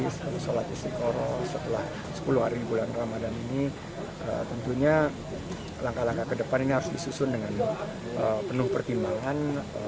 selalu sholat istiqoroh setelah sepuluh hari bulan ramadan ini tentunya langkah langkah ke depan ini harus disusun dengan penuh pertimbangan